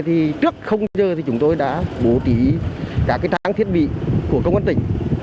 thì trước không giờ thì chúng tôi đã bố trí cả cái trang thiết bị của công an tỉnh